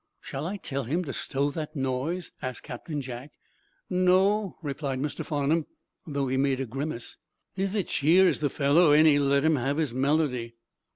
"Shall I tell him to stow that noise?" asked Captain Jack. "No," replied Mr. Farnum, though he made a grimace. "If it cheers the fellow any let him have his melody."